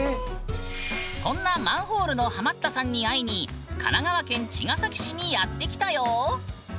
そんなマンホールのハマったさんに会いに神奈川県茅ヶ崎市にやって来たよ！